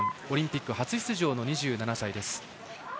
オリンピック初出場の２７歳です。